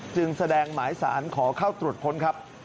จึงแสดงหมายสารขอเข้าตรวจค้นครับ